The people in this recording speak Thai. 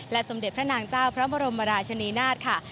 สมเด็จพระนางเจ้าพระบรมราชนีนาฏค่ะ